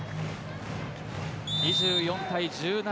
２４対１７